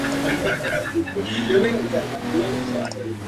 Especie muy común, con predilección por las zonas rocosas ricas en algas.